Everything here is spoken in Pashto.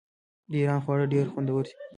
د ایران خواړه ډیر خوندور دي.